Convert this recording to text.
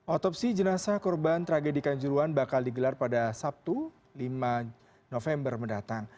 otopsi jenasa korban tragedikan juruhan bakal digelar pada sabtu lima november mendatang